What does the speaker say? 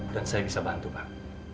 dan saya bisa bantu pak